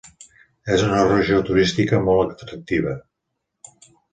És una regió turística molt atractiva.